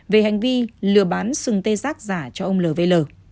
về hành vi lừa bán sừng tê giác giả cho ông lv